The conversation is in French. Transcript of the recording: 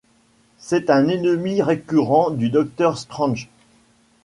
C'est un ennemi récurrent du Docteur Strange.